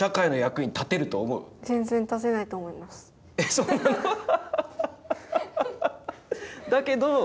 そんなハハハ！